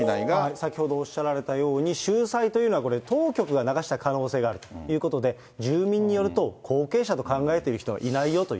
先ほどおっしゃられたように、秀才というのはこれ、当局が流した可能性があるということで、住民によると、後継者と考えてる人はいないよという。